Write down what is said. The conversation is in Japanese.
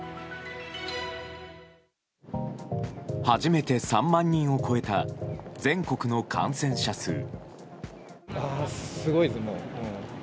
初めて３万人を超えた全国の感染者数。